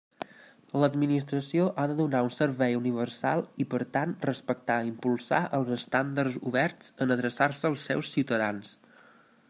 L'administració ha de donar un servei universal i, per tant, respectar i impulsar els estàndards oberts en adreçar-se als seus ciutadans.